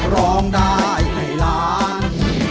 ร้องได้ให้ล้าน